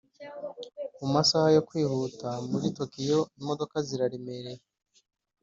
mu masaha yo kwihuta muri tokiyo, imodoka ziraremereye.